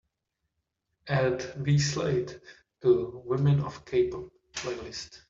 Add BSlade to women of k-pop playlist